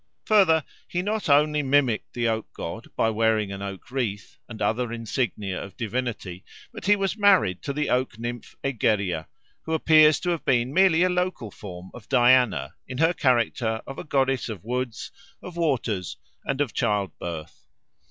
Further, he not only mimicked the oak god by wearing an oak wreath and other insignia of divinity, but he was married to an oak nymph Egeria, who appears to have been merely a local form of Diana in her character of a goddess of woods, of waters, and of child birth.